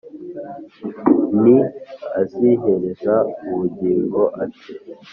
Nti: azihereza ubugingo ate ?